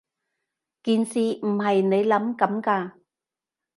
件事唔係你諗噉㗎